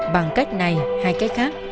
bằng cách này hay cách khác